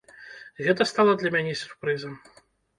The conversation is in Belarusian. Гэта стала для мяне сюрпрызам.